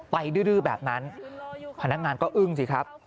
ดื้อแบบนั้นพนักงานก็อึ้งสิครับ